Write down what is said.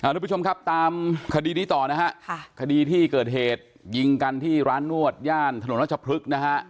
ทุกผู้ชมครับตามคดีนี้ต่อคดีที่เกิดเหตุยิงกันที่ร้านนวดทะโนนักฉพลึก